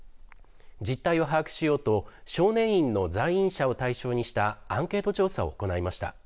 実態を把握しようと少年院の在院者を対象にしたアンケート調査を行いました。